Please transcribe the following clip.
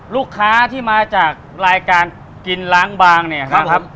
ลูกค้าที่มาจากรายการกินล้างบางเนี่ยครับ